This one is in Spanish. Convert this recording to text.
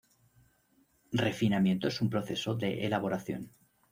Refinamiento es un proceso de elaboración.